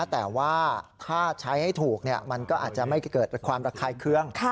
แต่ว่าถ้าใช้ให้ถูกมันก็อาจจะไม่เกิดความระคายเครื่อง